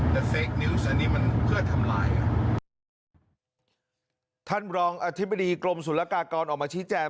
แต่เซ็กนิ้วสันนี่มันเพื่อทำลายท่านรองอธิบดีกรมศุลกากรออกมาชี้แจง